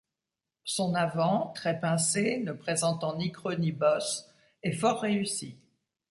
Son avant, très pincé, ne présentant ni creux ni bosses, est fort réussi.